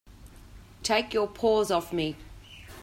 Take your paws off me!